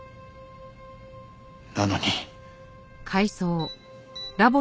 なのに。